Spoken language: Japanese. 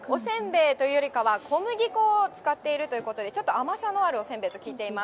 通常の米粉のおせんべいというよりかは、小麦粉を使っているということで、ちょっと甘さのあるおせんべいと聞いております。